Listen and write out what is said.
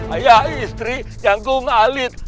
ayah istri yang bungalit